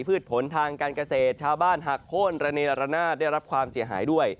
พืชผลทางการเกษตรชาวบ้านหักโค้นระเนรนาศได้รับความเสียหายด้วย